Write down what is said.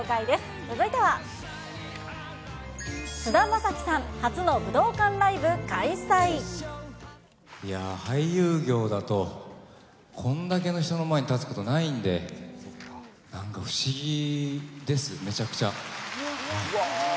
続いては、菅田将暉さん、いやー、俳優業だとこんだけの人の前に立つことないんで、なんか不思議です、めちゃくちゃ。